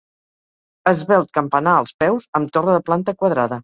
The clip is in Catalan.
Esvelt campanar als peus, amb torre de planta quadrada.